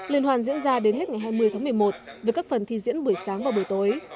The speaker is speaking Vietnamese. liên hoàn diễn ra đến hết ngày hai mươi tháng một mươi một với các phần thi diễn buổi sáng và buổi tối